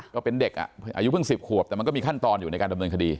ก็เป็นเด็กอายุเพิ่ง๑๐ขวบแต่มันก็มีขั้นตอนอยู่ในการดำเนินคดี